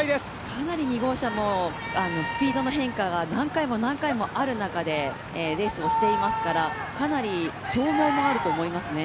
かなり２号車もスピードの変化が何回もある中でレースをしていますから、かなり消耗もあると思いますね。